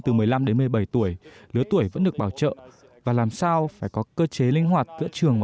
từ một mươi năm đến một mươi bảy tuổi lứa tuổi vẫn được bảo trợ và làm sao phải có cơ chế linh hoạt giữa trường và